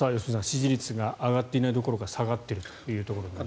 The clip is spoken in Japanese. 支持率が上がっていないどころか下がっているというところです。